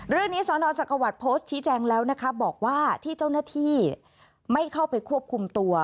เรื่องนี้สอนอาจารย์กวาดโพสต์ชี้แจงแล้วนะคะบอกว่าที่เจ้าหน้าที่ไม่เข้าไปควบคุมตัว